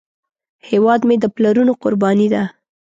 هیواد مې د پلرونو قرباني ده